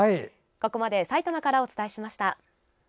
ここまでさいたまからお伝えしました。